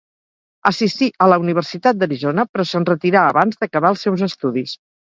Assistí a la Universitat d'Arizona, però se'n retirà abans d'acabar els seus estudis.